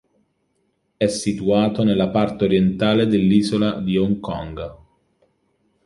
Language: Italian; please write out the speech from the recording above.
È situato nella parte orientale dell'Isola di Hong Kong.